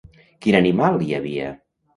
Quin animal hi havia?